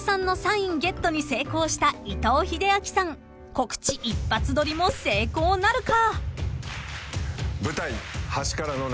［告知一発撮りも成功なるか？］